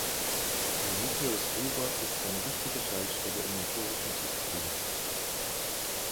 Der Nucleus ruber ist eine wichtige Schaltstelle im motorischen System.